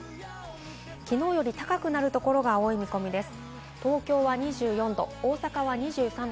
きのうより高くなるところが多い見込みです。